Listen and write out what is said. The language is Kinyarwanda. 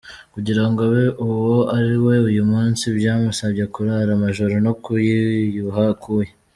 Kugira ngo abe uwo ari we uyu munsi, byamusabye kurara amajoro no kwiyuha akuya.